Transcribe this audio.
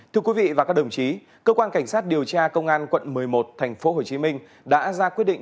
theo nguyên vụ cho chính quyền